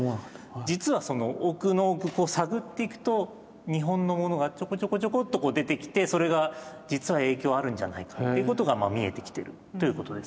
実はその奥の奥こう探っていくと日本のものがちょこちょこちょこっと出てきてそれが実は影響あるんじゃないかっていうことが見えてきてるということですね。